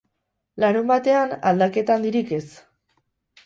Larunbatean, aldaketa handirik ez.